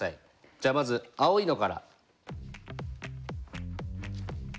じゃあまず青いのから。